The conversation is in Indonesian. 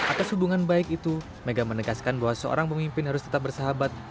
atas hubungan baik itu mega menegaskan bahwa seorang pemimpin harus tetap bersahabat